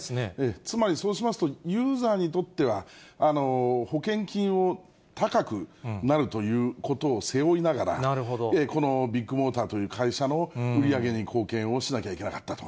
つまり、そうしますと、ユーザーにとっては、保険金を高くなるということを背負いながら、このビッグモーターという会社の売り上げに貢献をしなきゃいけなかったと。